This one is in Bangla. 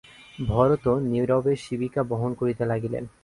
ভরতও নীরবে শিবিকা বহন করিতে লাগিলেন।